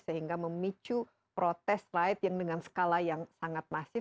sehingga memicu protes rakyat yang dengan skala yang sangat masif